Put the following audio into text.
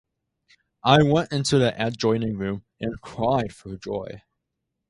I went into the adjoining room and cried for joy.